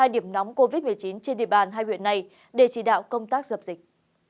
hai điểm nóng covid một mươi chín trên địa bàn hai huyện này để chỉ đạo công tác dập dịch